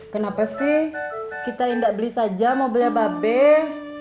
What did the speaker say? kenapa sih kita nggak beli saja mobilnya bapak